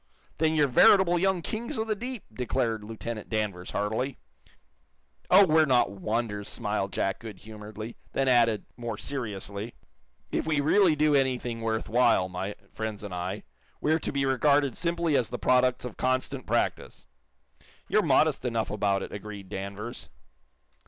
"Then you're veritable young kings of the deep!" declared Lieutenant Danvers, heartily. "Oh, we're not wonders," smiled Jack, goodhumoredly; then added, more seriously, "If we really do anything worth while, my friends and I, we're to be regarded simply as the products of constant practice." "You're modest enough about it," agreed Danvers.